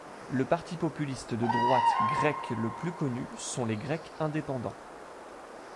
Le parti populiste de droite grec le plus connu sont les Grecs indépendants.